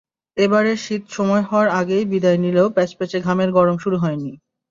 এবারের শীত সময় হওয়ার আগেই বিদায় নিলেও প্যাচপ্যাচে ঘামের গরম শুরু হয়নি।